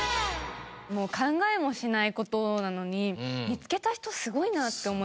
もう考えもしない事なのに見つけた人すごいなって思いました。